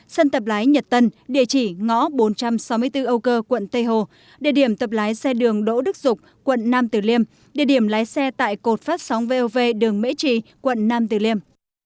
sân tập lái nhật tân địa chỉ ngõ bốn trăm sáu mươi bốn âu cơ quận tây hồ địa điểm tập lái xe đường đỗ đức dục quận nam tử liêm địa điểm lái xe tại cột phát sóng vov đường mỹ trì quận nam tử liêm